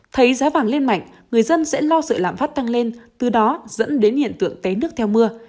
thấy giá vàng lên mạnh người dân sẽ lo sợ lạm phát tăng lên từ đó dẫn đến hiện tượng té nước theo mưa